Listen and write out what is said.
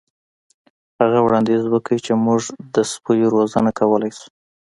هغه وړاندیز وکړ چې موږ د سپیو روزنه کولی شو